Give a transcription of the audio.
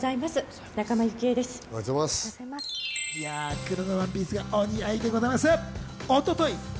黒のワンピースがお似合いでございます。